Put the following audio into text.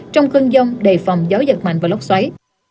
trong cơn giông đầy phòng gió giật mạnh và lốc xoáy